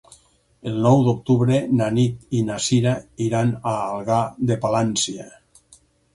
El nou d'octubre na Nit i na Sira iran a Algar de Palància.